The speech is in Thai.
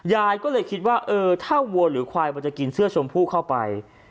ยายก็เลยคิดว่าเออถ้าวัวหรือควายมันจะกินเสื้อชมพู่เข้าไป